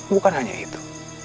bukan hanya itu